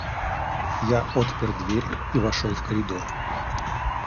Я отпер дверь и вошел в коридор.